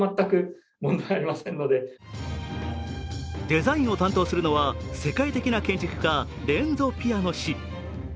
デザインを担当するのは、世界的な建築家、レンゾ・ピアノ氏。